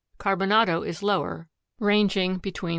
Carbonado is lower, ranging between 3.